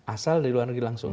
asal dari luar negeri langsung